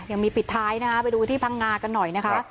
ยังมีปิดท้ายนะคะไปดูที่พังงากันหน่อยนะคะ